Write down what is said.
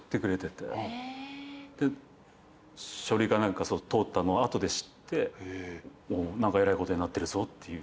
で書類か何か通ったのを後で知って何かえらいことになってるぞっていう。